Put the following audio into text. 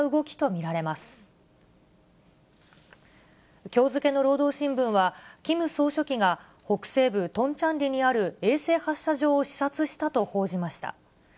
きょう付けの労働新聞は、キム総書記が、北西部トンチャンリにある衛星発射場を視察したと報じました。